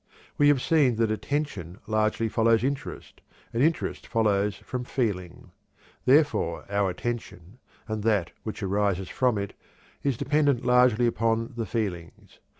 We have seen that attention largely follows interest, and interest results from feeling. Therefore our attention, and that which arises from it, is dependent largely upon the feelings.